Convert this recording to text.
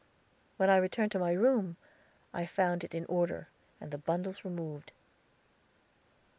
When I returned to my room, I found it in order and the bundles removed.